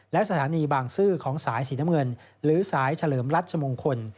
และสถานีบางซื่อของสายสีน้ำเงินหรือสายเฉลิมรัชมงคล